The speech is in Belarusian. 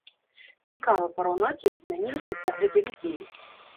Цікава параўнаць, як змяніліся погляды людзей.